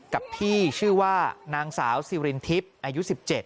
กับพี่ชื่อว่านางสาวซิรินทิพย์อายุ๑๗